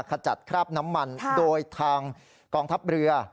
ขจัดคราบน้ำมันโดยทางกองทัพเรือ